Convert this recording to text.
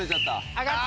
上がって。